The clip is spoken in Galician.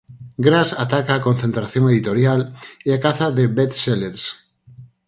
Grass ataca a concentración editorial e a caza de best-sellers